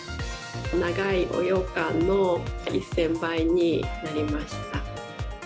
長いおようかんの１０００倍になりました。